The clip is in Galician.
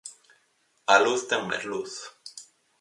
A luz ten máis luz.